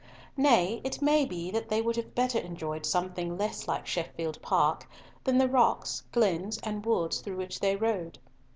Nay, it may be that they would better have enjoyed something less like Sheffield Park than the rocks, glens, and woods, through which they rode.